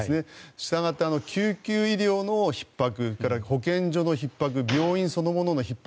したがって救急医療のひっ迫保健所のひっ迫病院そのもののひっ迫